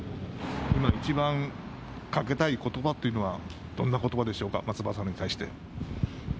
今、一番かけたいことばっていうのはどんなことばでしょうか、松原さんに対して。